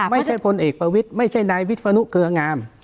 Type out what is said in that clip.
พลเอกประวิทย์ไม่ใช่นายวิศนุเกลืองาม